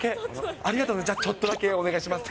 ありがとうございます、じゃあ、ちょっとだけお願いします。